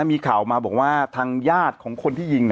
มีข่าวมาบอกว่าทางญาติของคนที่ยิง